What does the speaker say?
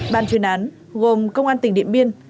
bàn chuyên án gồm công an tỉnh điện biên